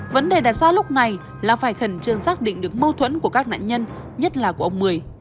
vấn đề đặt ra lúc này là phải khẩn trương xác định được mâu thuẫn của các nạn nhân nhất là của ông mười